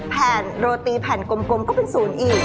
แผ่นโรตีแผ่นกลมก็เป็นศูนย์อีก